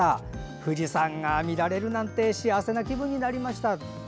富士山が見られるなんて幸せな気分になりました。